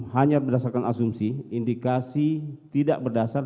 hanya berdasarkan asumsi indikasi tidak berdasar